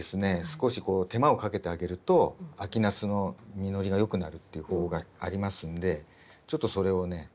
少しこう手間をかけてあげると秋ナスの実りがよくなるっていう方法がありますんでちょっとそれをね